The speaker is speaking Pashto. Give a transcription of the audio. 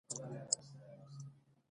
موږ ښاغلي سردار محمد همدرد ته انتظار کاوه.